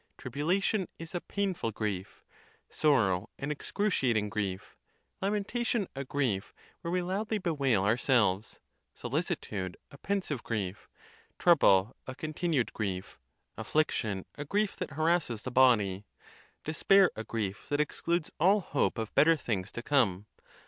Tribulation is a painful grief. Sorrow, an excruciating grief. Lamentation, a grief where we loudly bewail our selves. Solicitude, a pensive grief. Trouble, a continued grief. Affliction, a grief that harasses the body. De spair, a grief that excludes all hope of better things to come.